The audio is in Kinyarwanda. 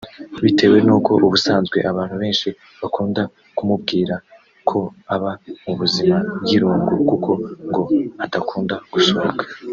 bitewe nuko ubusanzwe abantu benshi bakunda kumubwira ko aba mu buzima bw’irungu kuko ngo adakunda gusohoka